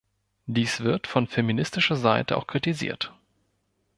Dies wird von feministischer Seite auch kritisiert.